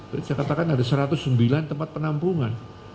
jadi saya katakan ada satu ratus sembilan tempat penampungan